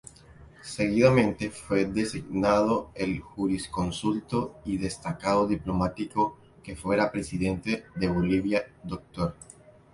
Seguidamente fue designado el jurisconsulto y destacado diplomático que fuera Presidente de Bolivia, Dr.